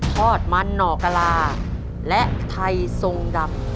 ทอดมันหน่อกะลาและไทยทรงดำ